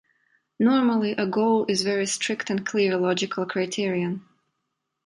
Normally a goal is a very strict and clear logical criterion.